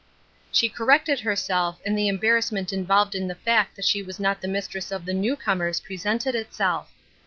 She corrected herself, and the embarrassment involved in the fact that she was not the mistress of the new comers presented itself.